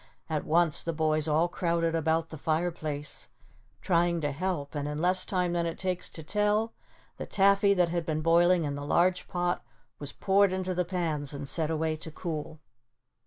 At once the boys all crowded about the fireplace trying to help and in less time than it takes to tell, the taffy that had been boiling in the large pot was poured into the pans and set away to cool.